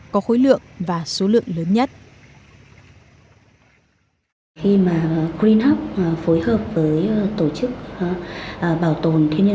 có khối lượng và số lượng lớn nhất